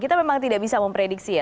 kita memang tidak bisa memprediksi ya